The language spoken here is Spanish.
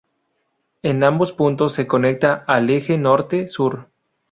En ambos puntos se conecta al Eje Norte-Sur.